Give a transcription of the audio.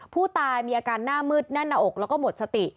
ผู้ตายมีอาการหน้ามืดแน่นหน้าอกแล้วก็หมดสติ